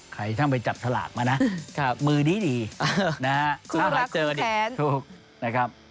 ใครท่านไปจับสลากมานะมือดีนะฮะคุณรักคุณแขน